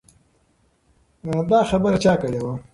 دا خبره چا کړې وه؟